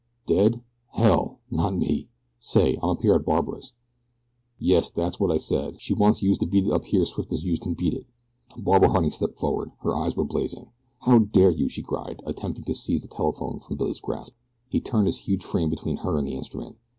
"Dead, hell! Not me. Say, I'm up here at Barbara's." "Yes, dat's wot I said. She wants youse to beat it up here's swift as youse kin beat it." Barbara Harding stepped forward. Her eyes were blazing. "How dare you?" she cried, attempting to seize the telephone from Billy's grasp. He turned his huge frame between her and the instrument.